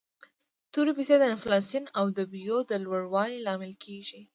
تورې پیسي د انفلاسیون او د بیو د لوړوالي لامل کیږي.